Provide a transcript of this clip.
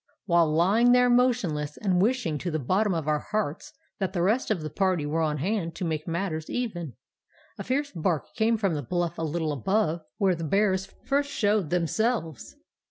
"While lying there motionless, and wishing to the bottom of our hearts that the rest of the party were on hand to make matters even, a fierce bark came from the bluff a little above where the bears first showed themselves.